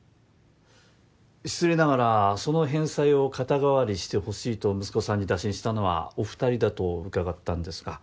失礼ながらその返済を肩代わりしてほしいと息子さんに打診したのはお二人だと伺ったんですが。